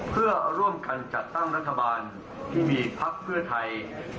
เพื่อร่วมกันจัดตั้งรัฐบาลที่มีพักเพื่อไทย